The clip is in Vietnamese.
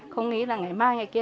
không nghĩ là ngày mai ngày kia